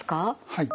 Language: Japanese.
はい。